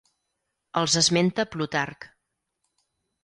Els esmenta Plutarc.